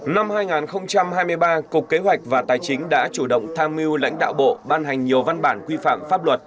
năm hai nghìn hai mươi ba cục kế hoạch và tài chính đã chủ động tham mưu lãnh đạo bộ ban hành nhiều văn bản quy phạm pháp luật